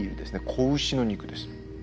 子牛の肉です。